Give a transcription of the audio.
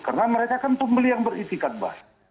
karena mereka kan pembeli yang beristikad bah